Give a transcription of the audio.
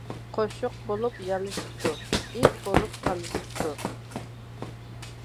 قوشۇق بولۇپ يالىشىپتۇ، ئىت بولۇپ تالىشىپتۇ.